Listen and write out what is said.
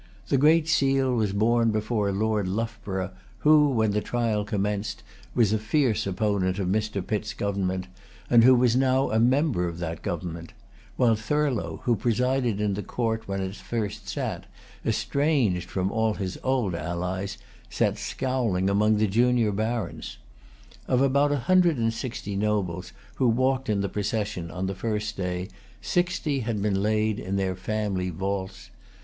The Great Seal was borne before Lord Loughborough who, when the trial commenced, was a fierce opponent of Mr. Pitt's government, and who was now a member of that government, while Thurlow, who presided in the Court when it first sat, estranged from all his old allies, sat scowling among the junior barons. Of about a hundred and sixty nobles who walked in the procession on the first day, sixty had been laid in their family vaults.